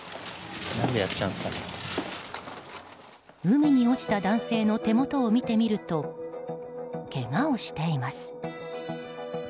海に落ちた男性の手元を見てみるとけがをしています。